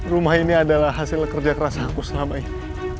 rumah ini adalah hasil kerja keras aku selama ini